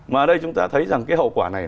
mà ở đây chúng ta thấy rằng cái hậu quả này